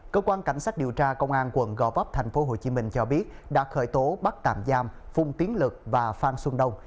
cơ quan cảnh sát điều tra công an quận gò vấp tp hcm cho biết đã khởi tố bắt tạm giam phung tiến lực và phan xuân đông